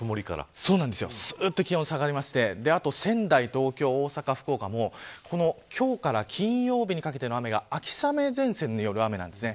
気温が下がりまして仙台、東京、大阪、福岡も今日から金曜日にかけての雨が秋雨前線による雨なんです。